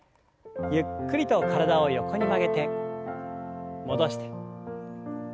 ゆっくりと体を横に曲げて戻して。